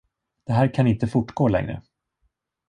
Det här kan inte fortgå längre!